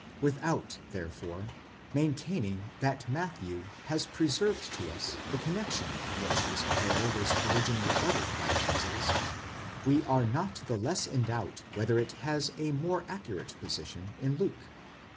Without, therefore, maintaining that Matthew has preserved to us the connexion in which this prayer was originally uttered by Jesus, we are not the less in doubt whether it has a more accurate position in Luke."